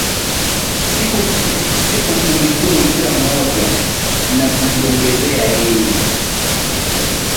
siku kumi kumi kila mmoja na kujiongezea yeye